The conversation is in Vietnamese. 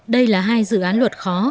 đây là hai dự án luật khó